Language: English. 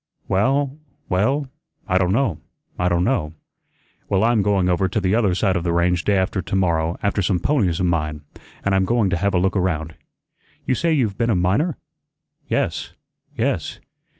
"Well, well, I don' know, I don' know." "Well, I'm going over to the other side of the range day after t'morrow after some ponies of mine, an' I'm going to have a look around. You say you've been a miner?" "Yes, yes."